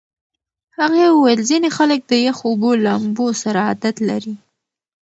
هغې وویل ځینې خلک د یخو اوبو لامبو سره عادت لري.